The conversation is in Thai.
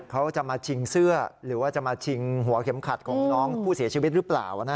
เขาจะมาชิงเสื้อหรือว่าจะมาชิงหัวเข็มขัดของน้องผู้เสียชีวิตหรือเปล่า